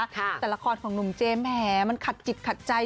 แต่ละครของหนุ่มเจมแหมมันขัดจิตขัดใจ